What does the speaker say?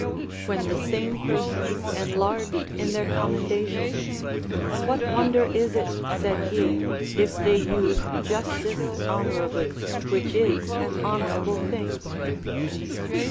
When the same persons enlarged in their commendation. What wonder is it, said he, if they use justice honorably, which is an honorable thing